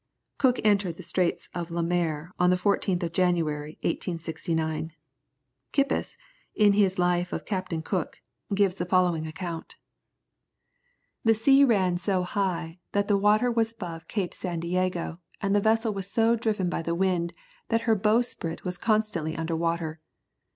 Cook entered the Straits of Lemaire on the 14th of January, 1769. Kippis, in his Life of Captain Cook, gives the following account: "The sea ran so high, that the water was above Cape San Diego, and the vessel was so driven by the wind that her bowsprit was constantly under water.